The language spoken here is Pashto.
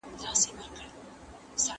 ¬ د غنمو د رويه ځوز هم اوبېږي.